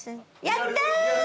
やった！